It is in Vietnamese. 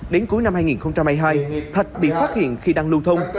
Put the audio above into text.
đến cuối năm hai nghìn hai mươi hai thạch bị phát hiện khi đang lưu thông